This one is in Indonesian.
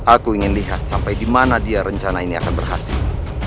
aku ingin lihat sampai di mana dia rencana ini akan berhasil